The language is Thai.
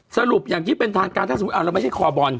สรุปอย่างที่เป็นทางการถ้าสมมุติเราไม่ใช่คอบอล